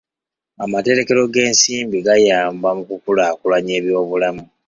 Amaterekero g'ensimbi gayamba mu kukulaakulanya eby'obulamu.